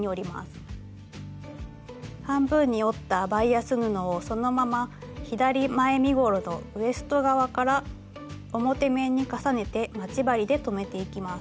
半分に折ったバイアス布をそのまま左前身ごろのウエスト側から表面に重ねて待ち針で留めていきます。